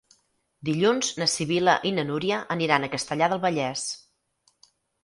Dilluns na Sibil·la i na Núria aniran a Castellar del Vallès.